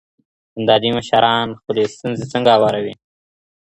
کندهاري مشران خپلي ستونزي څنګه هواروي؟